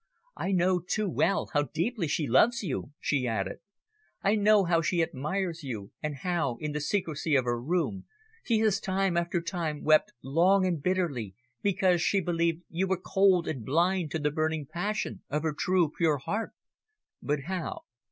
I know too well how deeply she loves you," she added, "I know how she admires you and how, in the secrecy of her room, she has time after time wept long and bitterly because she believed you were cold and blind to the burning passion of her true pure heart." But how?